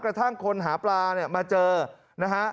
กระทั่งคนหาปลาเนี่ยมาเจอนะฮะ